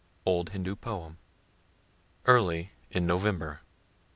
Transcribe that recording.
Old Hindu Poem. _Early in November.